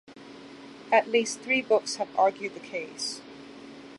At least three books have argued the case.